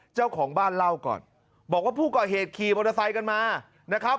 เจ้าของบ้านเล่าก่อนบอกว่าผู้ก่อเหตุขี่มอเตอร์ไซค์กันมานะครับ